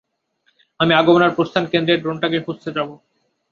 আমি আগমন আর প্রস্থান কেন্দ্রে ড্রোনটাকে খুঁজতে যাব।